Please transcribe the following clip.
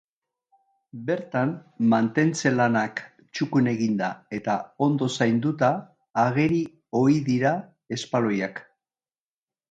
Bertan mantentze lanak txukun eginda eta ondo zainduta ageri ohi dira espaloiak.